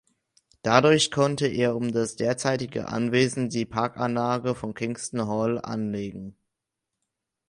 Dadurch konnte er um das derzeitige Anwesen die Parkanlage von Kingston Hall anlegen.